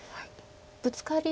ブツカリ